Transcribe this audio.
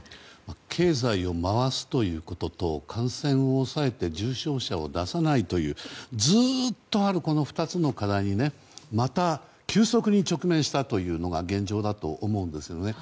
経済を回すということと感染を抑えて重症者を出さないというずっとあるこの２つの課題にまた急速に直面したというのが現状だと思うんですよね。